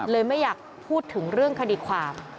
ไม่อยากพูดถึงเรื่องคดีความ